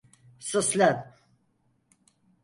Sus lan!